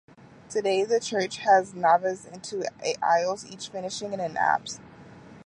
Today the church has a naves and two aisles, each finishing in an apse.